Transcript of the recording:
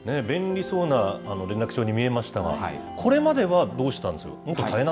便利そうな連絡帳に見えましたが、これまではどうしてたんですか？